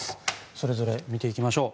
それぞれ見ていきましょう。